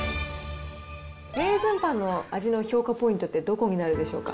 レーズンパンの味の評価ポイントってどこになるでしょうか。